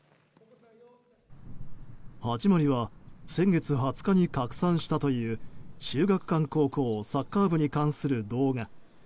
始まりは先月２０日に拡散したという秀岳館高校サッカー部に関する動画。